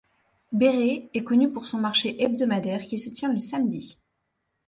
Béré est connu pour son marché hebdomadaire qui se tient le samedi.